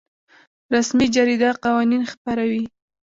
رسمي جریده قوانین خپروي